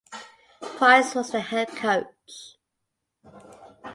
Price was the head coach.